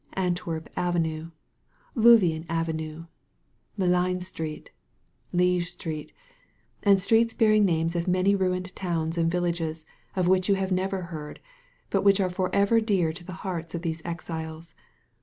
"Antwerp Avenue," "Louvain Avenue," "Malines Street," "LiSge Street," and streets bearing the names of many ruined towns and villages of which you have never heard, but which are forever dear to the hearts of these exiles.